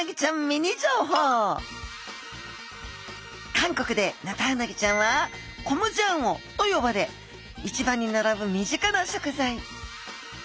韓国でヌタウナギちゃんはコムジャンオと呼ばれ市場にならぶ身近な食材。